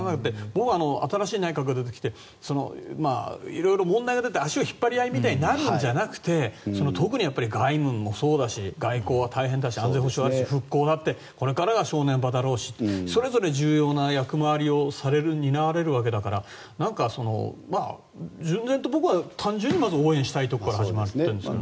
僕は新しい内閣が出てきていろいろ問題が出て足の引っ張り合いみたいになるんじゃなくて特に外務もそうだし外交は大変だし安全保障があるし、復興だってこれからが正念場だろうしそれぞれ重要な役回りを担われるわけだから僕は単純にまず応援したいというところから始まってます。